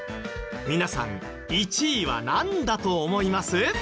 皆さん１位はなんだと思います？